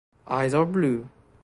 Eyes are blue.